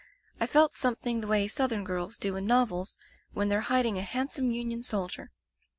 I felt something the way Southern girls do in novels, when they're hiding a handsome Union soldier.